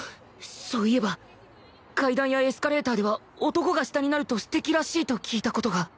そういえば階段やエスカレーターでは男が下になると素敵らしいと聞いた事が